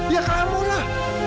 ya kamu lah